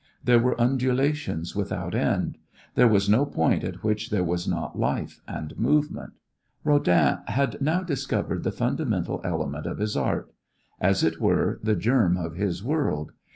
There were undulations without end. There was no point at which there was not life and movement. Rodin had now discovered the fundamental element of his art; as it were, the germ of his world.